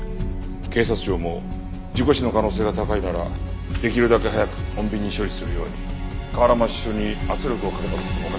警察庁も事故死の可能性が高いならできるだけ早く穏便に処理するように河原町署に圧力をかけたとしてもおかしくない。